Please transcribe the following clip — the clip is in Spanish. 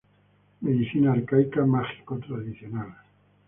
Medicina arcaica mágico-tradicional.